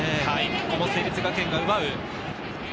ここも成立学園が奪う。